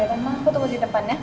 ya mbak aku tunggu di depannya